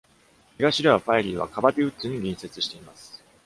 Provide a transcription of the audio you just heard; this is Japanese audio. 東では、パイリーはカバティウッズに隣接しています。